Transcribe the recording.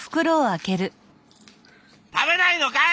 食べないのかい！